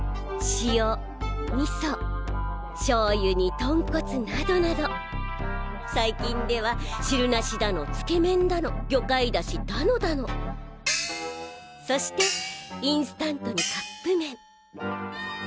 塩味噌しょうゆに豚骨などなど最近では汁なしだのつけ麺だの魚介ダシだのだのそしてインスタントにカップ麺